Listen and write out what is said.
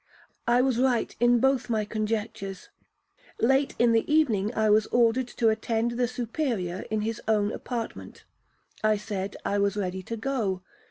I was right in both my conjectures. Late in the evening I was ordered to attend the Superior in his own apartment,—I said I was ready to go.